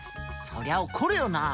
そりゃ怒るよな。